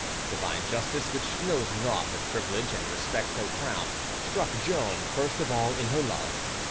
Divine justice, which knows naught of privilege and respects no crown, struck Joan first of all in her love.